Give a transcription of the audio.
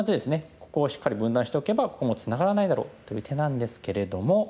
ここをしっかり分断しておけばここもツナがらないだろうという手なんですけれども。